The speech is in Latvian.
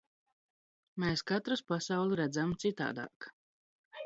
Mēs katrs pasauli redzam citādāk.